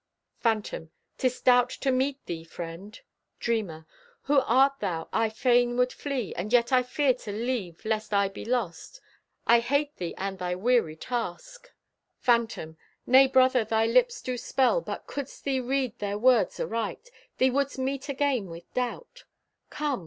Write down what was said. Phantom: 'Tis Doubt to meet thee, friend! Dreamer: Who art thou? I fain would flee, And yet I fear to leave lest I be lost. I hate thee and thy weary task! Phantom: Nay, brother, thy lips do spell, But couldst thee read their words aright Thee wouldst meet again with Doubt. Come!